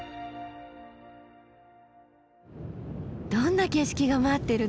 どんな景色が待ってるの？